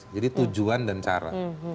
jadi tujuan dan cara